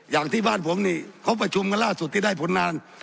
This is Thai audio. อย่างที่บ้านผมนี่เขาประชุมกันล่าสุดที่ได้ผลงาน